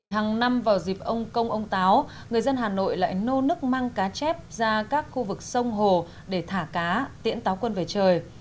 hàng năm vào dịp ông công ông táo người dân hà nội lại nô nước mang cá chép ra các khu vực sông hồ để thả cá tiễn táo quân về trời